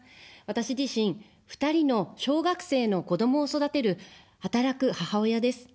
私自身、２人の小学生の子どもを育てる、働く母親です。